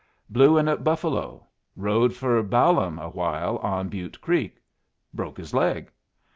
Blew in at Buffalo. Rode for Balaam awhile on Butte Creek. Broke his leg.